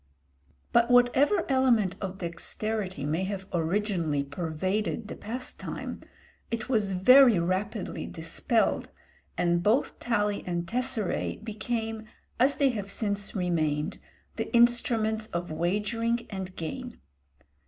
But whatever element of dexterity may have originally pervaded the pastime, it was very rapidly dispelled, and both tali and tesseræ became, as they have since remained, the instruments of wagering and gain.